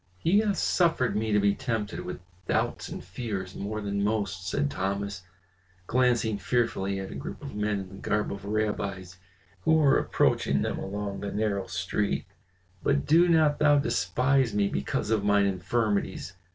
"He hath suffered me to be tempted with doubts and fears more than most," said Thomas, glancing fearfully at a group of men in the garb of rabbis who were approaching them along the narrow street. "But do not thou despise me because of mine infirmities.